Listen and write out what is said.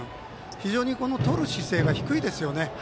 非常にとる姿勢が低いですよね。